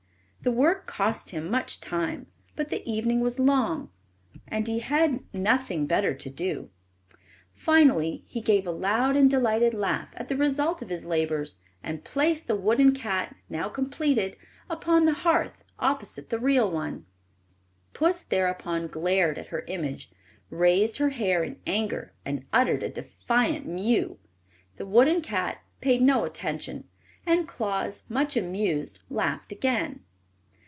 The work cost him much time, but the evening was long and he had nothing better to do. Finally he gave a loud and delighted laugh at the result of his labors and placed the wooden cat, now completed, upon the hearth opposite the real one. Puss thereupon glared at her image, raised her hair in anger, and uttered a defiant mew. The wooden cat paid no attention, and Claus, much amused, laughed again.